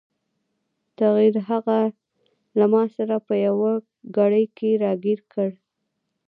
تقدیر هغه له ماسره په یوه کړۍ کې راګیر کړ.